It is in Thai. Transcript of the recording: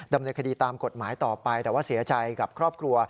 ดำเนินคดีตามกฎหมายต่อไปแต่ว่าเสียใจกับครอบครัว